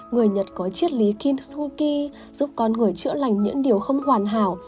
người nhật có chiết lý kintsugi giúp con người chữa lành những điều không hoàn hảo